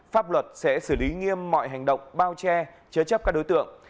pháp luật sẽ xử lý nghiêm mọi hành động bao che chế chấp các đối tượng